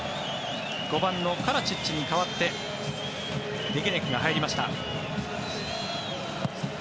５番のカラチッチに代わってデゲネクが入りました。